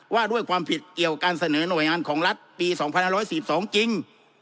ว่าด้วยความผิดเกี่ยวกันเสนอหน่วยงานของรัฐปีสองพันห้าร้อยสี่สองจริง